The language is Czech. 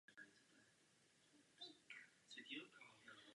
Už od začátku krize stála Evropská unie v popředí.